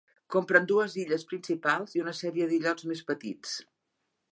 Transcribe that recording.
Comprèn dues illes principals i una sèrie d'illots més petits.